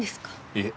いえ。